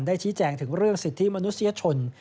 ชี้แจงถึงเรื่องสิทธิมนุษยชน